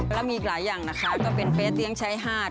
แล้วมีอีกหลายอย่างนะคะก็เป็นเฟสเลี้ยงชายหาด